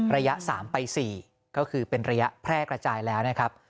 ระยะ๓ไป๔ก็คือเป็นระยะแพร่กระจายแล้วนะครับ